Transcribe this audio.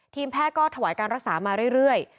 แพทย์ก็ถวายการรักษามาเรื่อย